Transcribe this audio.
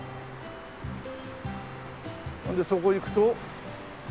ほんでそこ行くと。